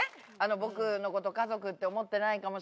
「僕のこと家族って思ってないかもしれないけど」